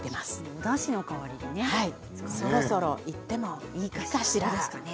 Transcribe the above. おだしの代わりにそろそろいってもいいかしらね。